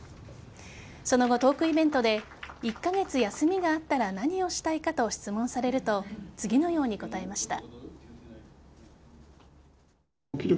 その後、トークイベントで１カ月休みがあったら何をしたいかと質問されると次のように答えました。